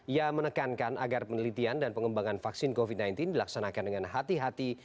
ia menekankan agar penelitian dan pengembangan vaksin covid sembilan belas dilaksanakan dengan hati hati